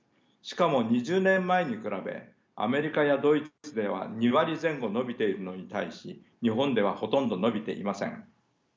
しかも２０年前に比べアメリカやドイツでは２割前後伸びているのに対し日本ではほとんど伸びていません。